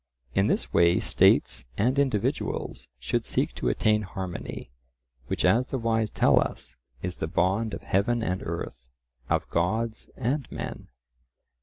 In this way states and individuals should seek to attain harmony, which, as the wise tell us, is the bond of heaven and earth, of gods and men.